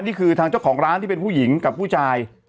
นี่คือทางเจ้าของร้านที่เป็นผู้หญิงกับผู้ชาย